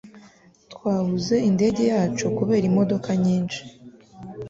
Twabuze indege yacu kubera imodoka nyinshi.